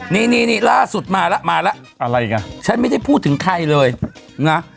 นี่นี่ล่าสุดมาแล้วมาแล้วอะไรอ่ะฉันไม่ได้พูดถึงใครเลยนะ